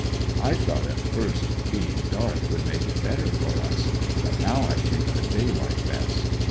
" I thought at first being dark would make it better for us, but now I think the 'ii CLOSE QUARTERS 65 best.